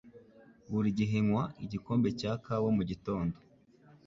Buri gihe nywa igikombe cya kawa mugitondo